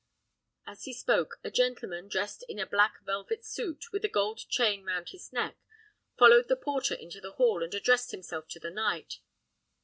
As he spoke, a gentleman, dressed in a black velvet suit, with a gold chain round his neck, followed the porter into the hall, and addressed himself to the knight.